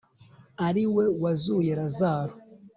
ari we wazuye razalo